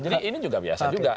jadi ini juga biasa juga